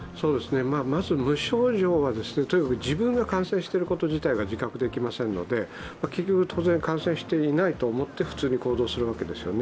まず無症状はとにかく自分が感染していること自体が自覚できませんので、結局、当然、感染していないと思って普通に行動するわけですよね。